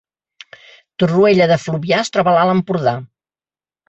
Torroella de Fluvià es troba a l’Alt Empordà